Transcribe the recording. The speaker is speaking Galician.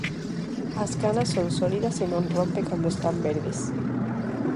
As canas son sólidas e non rompen cando están verdes.